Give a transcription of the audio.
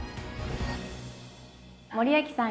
森脇さん